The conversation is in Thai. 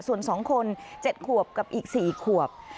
ส่วน๒คน๗ขวบกับอีก๔ขวบ